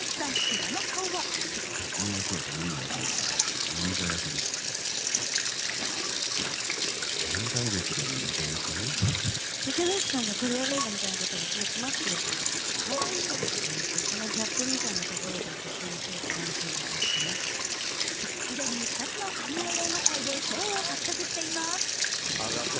裏の顔は既に２つの海外映画祭で賞を獲得しています。